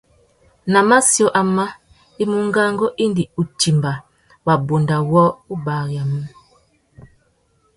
Nà matiō amá, i mú ngangu indi u timba wabunda wô barimú.